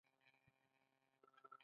آیا د ایران پخوانی نوم فارس نه و؟